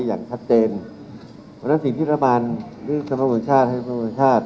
อย่างชัดเจนเขาแนะนำสิ่งที่รับบรรณสมมุติคนชาติ